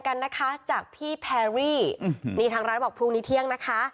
ส่งดอกมาแพรรี่จะส่งเอง